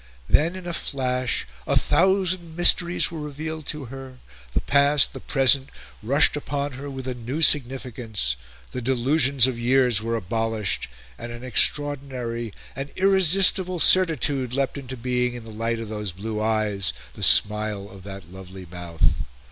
Then, in a flash, a thousand mysteries were revealed to her; the past, the present, rushed upon her with a new significance; the delusions of years were abolished, and an extraordinary, an irresistible certitude leapt into being in the light of those blue eyes, the smile of that lovely mouth.